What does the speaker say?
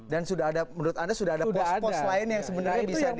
dan sudah ada menurut anda sudah ada pos pos lain yang sebenarnya bisa di